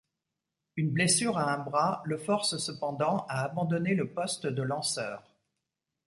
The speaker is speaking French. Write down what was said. Une blessure à un bras le force cependant à abandonner le poste de lanceur.